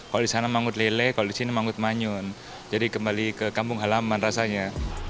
kalau di sana mangut lele kalau di sini mangut manyun jadi kembali ke kampung halaman rasanya